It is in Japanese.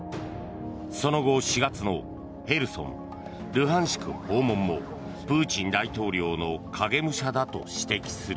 その後、４月のヘルソン、ルハンシク訪問もプーチン大統領の影武者だと指摘する。